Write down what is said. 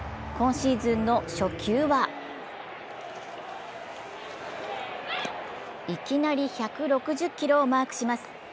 今シーズンの初球はいきなり１６０キロをマークします。